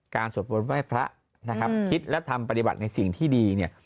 สวดบนไหว้พระนะครับคิดและทำปฏิบัติในสิ่งที่ดีเนี่ย